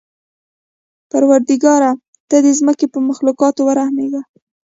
پروردګاره! ته د ځمکې په مخلوقاتو ورحمېږه.